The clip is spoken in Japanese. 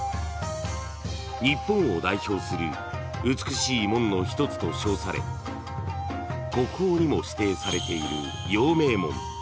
［日本を代表する美しい門の一つと称され国宝にも指定されている］